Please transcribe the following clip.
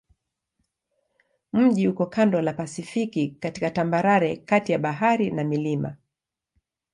Mji uko kando la Pasifiki katika tambarare kati ya bahari na milima.